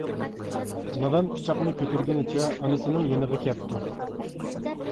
نادان پىچاقنى كۆتۈرگىنىچە ئانىسىنىڭ يېنىغا كەپتۇ.